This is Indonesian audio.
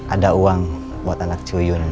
ada uang buat anak cuyuan